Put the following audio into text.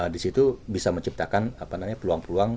disitu bisa menciptakan peluang peluang